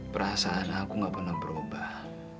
perasaan aku gak pernah berubah